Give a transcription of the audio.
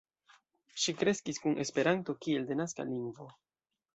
Ŝi kreskis kun Esperanto kiel denaska lingvo.